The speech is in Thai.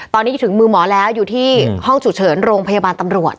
ตอนนี้ถึงมือหมอแล้วอยู่ที่ห้องฉุกเฉินโรงพยาบาลตำรวจ